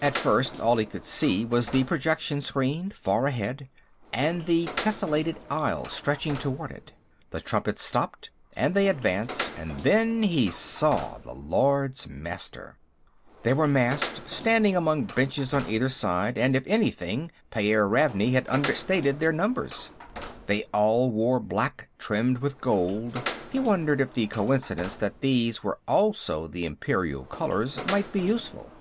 At first, all he could see was the projection screen, far ahead, and the tessellated aisle stretching toward it. The trumpets stopped, and they advanced, and then he saw the Lords Master. They were massed, standing among benches on either side, and if anything Pyairr Ravney had understated their numbers. They all wore black, trimmed with gold; he wondered if the coincidence that these were also the Imperial colors might be useful.